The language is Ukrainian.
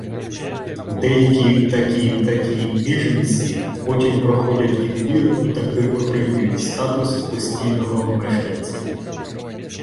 Деякі такі такі «біженці» потім проходять відбір і таки отримують статус «постійного мешканця»